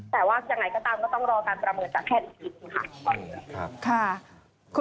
แต่ว่ายังไงก็ตามก็ต้องรอการประเมินจากแพทย์อีกทีหนึ่งค่ะ